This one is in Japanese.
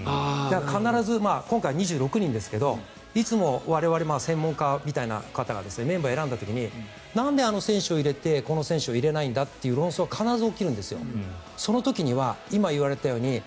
必ず今回、２６人ですがいつも我々は専門家みたいな方がメンバーを選ぶ時になんであの選手を入れてこの選手は入れないんだという論争が必ず起きるんです。